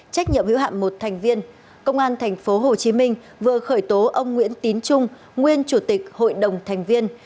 trách nhiệm hữu hạm một thành viên công an tp hcm vừa khởi tố ông nguyễn tín trung nguyên chủ tịch hội đồng thành viên